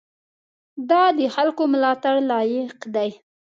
دا د خلکو ملاتړ لایق دی.